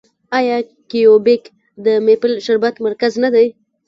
آیا کیوبیک د میپل شربت مرکز نه دی؟